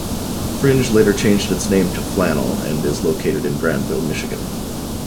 Fringe later changed its name to Flannel and is located in Grandville, Michigan.